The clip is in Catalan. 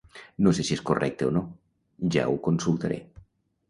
No sé si és correcte o no, ja ho consultaré.